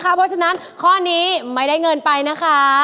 เพราะฉะนั้นข้อนี้ไม่ได้เงินไปนะคะ